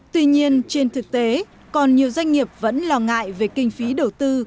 tuy nhiên trên thực tế còn nhiều doanh nghiệp vẫn lo ngại về kinh phí đầu tư